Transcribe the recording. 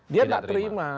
dia nggak terima